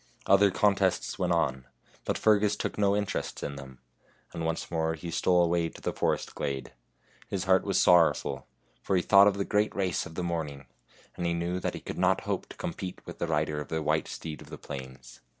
Other contests went on, but Fergus took no interest in them; and once more he stole away to the forest glade. His heart was sorrowful, for he thought of the great race of the morning, and he knew that he could not hope to compete with the rider of the white steed of the plains.